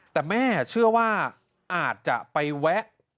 แต่แม่เชื่อว่าอาจจะไปแวะ